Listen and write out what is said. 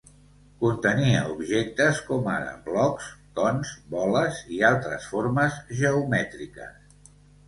Contenia objectes com ara blocs, cons, boles i altres formes geomètriques.